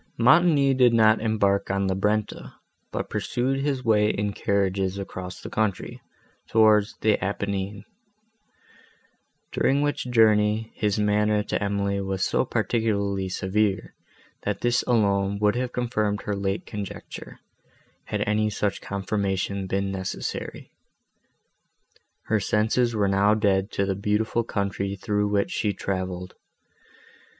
Montoni did not embark on the Brenta, but pursued his way in carriages across the country, towards the Apennine; during which journey, his manner to Emily was so particularly severe, that this alone would have confirmed her late conjecture, had any such confirmation been necessary. Her senses were now dead to the beautiful country, through which she travelled.